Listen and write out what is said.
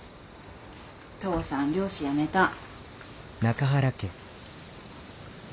父さん漁師やめたん。